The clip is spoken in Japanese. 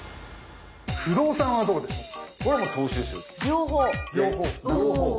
不動産はどうでしょうか？